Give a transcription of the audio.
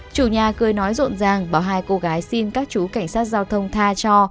chủ nhà cười nói rộn ràng bỏ hai cô gái xin các chú cảnh sát giao thông tha cho